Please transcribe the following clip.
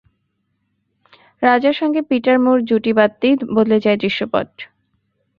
রাজার সঙ্গে Peter Moore জুটি বাঁধতেই বদলে যায় দৃশ্যপট।